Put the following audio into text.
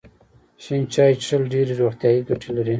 شنه چای څښل ډیرې روغتیايي ګټې لري.